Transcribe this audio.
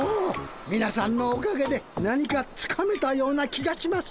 みなさんのおかげで何かつかめたような気がします。